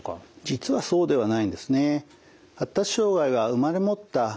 実はそうではないんですね。